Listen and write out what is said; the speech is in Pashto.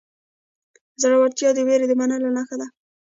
زړورتیا د وېرې د منلو نښه ده.